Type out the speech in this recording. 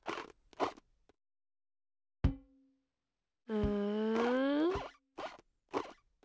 うん？